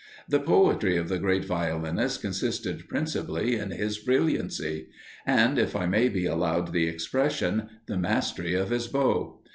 The poetry of the great violinist consisted, principally, in his brilliancy; and, if I may be allowed the expression, the mastery of his bow.